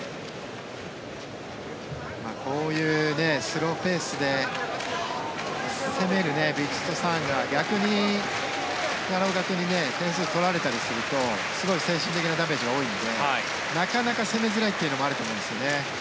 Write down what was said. こういうスローペースで攻めるヴィチットサーンが逆に奈良岡君に点数を取られたりするとすごい精神的なダメージが大きいのでなかなか攻めづらいというのもあると思うんですよね。